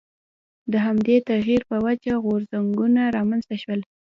د همدې تغییر په وجه غورځنګونه رامنځته شول.